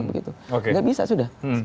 nggak bisa sudah